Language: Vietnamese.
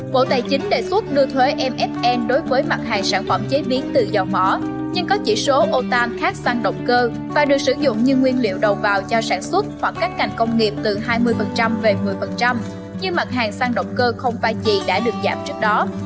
bộ tài chính đề xuất đưa thuế mfn đối với mặt hàng sản phẩm chế biến tự do mỏ nhưng có chỉ số ô tan khác xăng động cơ và được sử dụng như nguyên liệu đầu vào cho sản xuất hoặc các ngành công nghiệp từ hai mươi về một mươi nhưng mặt hàng xăng động cơ không phai trì đã được giảm trước đó